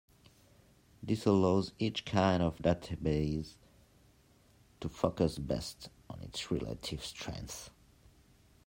This allows each kind of database to focus best on its relative strength.